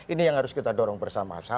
ini yang harus kita dorong bersama sama